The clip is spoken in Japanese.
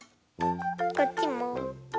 こっちも。